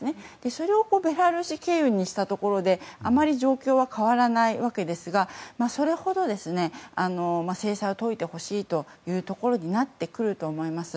それをベラルーシ経由にしたところであまり状況は変わらないわけですがそれほど制裁を解いてほしいというところになってくると思います。